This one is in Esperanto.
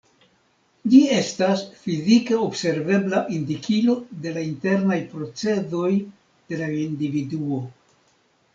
Ĝi estas fizika observebla indikilo de la internaj procezoj de la individuo.